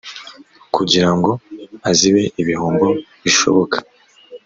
kugirango azibe ibihombo bishoboka